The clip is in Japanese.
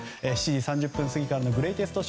７時３０分過ぎからのグレイテスト